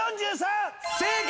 正解！